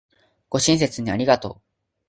ご親切にありがとう